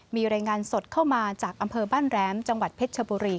มีรายงานสดเข้ามาจากอำเภอบ้านแหลมจังหวัดเพชรชบุรี